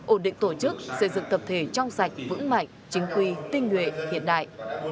ổn định tổ chức xây dựng tập thể trong sạch vững mạnh chính quy tinh nguyện hiện đại